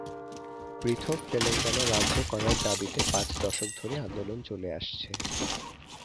পৃথক তেলেঙ্গানা রাজ্য করার দাবিতে পাঁচ দশক ধরে আন্দোলন চলে আসছে।